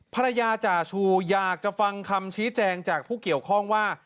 จ่าชูอยากจะฟังคำชี้แจงจากผู้เกี่ยวข้องว่า